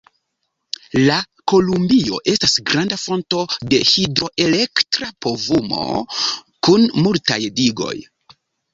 La Kolumbio estas granda fonto de hidroelektra povumo, kun multaj digoj.